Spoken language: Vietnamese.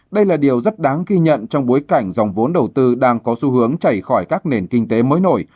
đây là điều rất đáng ghi nhận trong bối cảnh dòng vốn đầu tư đang có xu hướng chảy khỏi các nền kinh tế mới nổi